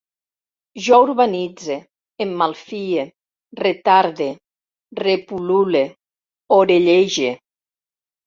Jo urbanitze, em malfie, retarde, repul·lule, orellege